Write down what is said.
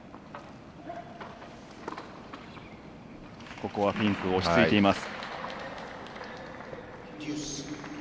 ここはフィンク落ち着いています。